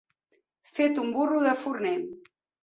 Fet un burro de forner.